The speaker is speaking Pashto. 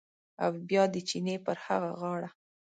او بیا د چینې پر هغه غاړه